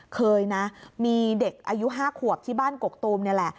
เคยนะมีเด็กอายุ๕ขวบที่บ้านกกตูมนี่แหละ